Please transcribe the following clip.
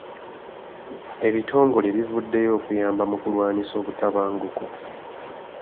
Ebitongole bivuddeyo okuyamba mu kulwanyisa obutabanguko.